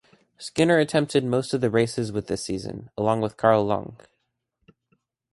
Skinner attempted most of the races with this season, along with Carl Long.